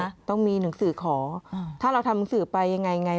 ต้องมีหนังสือขอถ้าเราทำหนังสือไปยังไงไง